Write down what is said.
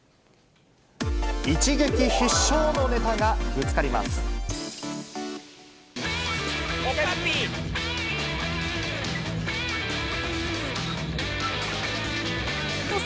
一撃必笑のネタがぶつかりまゲッツ！